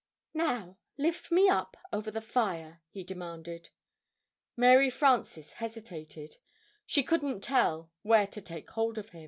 "Now, lift me up over the fire!" he demanded. Mary Frances hesitated she couldn't tell where to take hold of him.